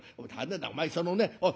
お前そのねおい」。